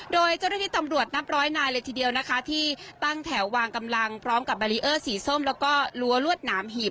โดยเจ้าระดิตตำรวจนับร้อยนายเลยทีเดียวนะคะที่